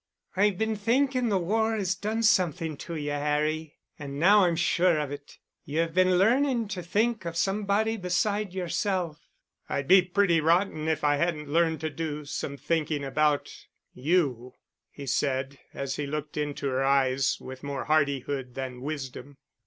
"I've been thinking the war has done something to you, Harry. And now I'm sure of it. You've been learning to think of somebody beside yourself." "I'd be pretty rotten if I hadn't learned to do some thinking about you," he said, as he looked into her eyes with more hardihood than wisdom.